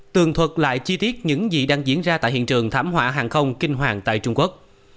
tường thuật lại chi tiết những gì đang diễn ra tại hiện trường thảm họa hàng không kinh hoàng tại trung quốc